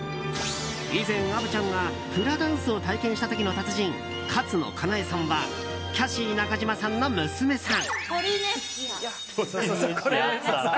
以前、虻ちゃんがフラダンスを体験した時の達人勝野雅奈恵さんはキャシー中島さんの娘さん。